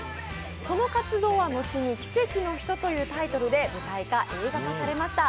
その活動は後に「奇跡の人」というタイトルで舞台化・映画化されました。